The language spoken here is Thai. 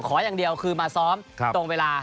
ขออย่างเดียวคือมาซ้อมตรงเวลา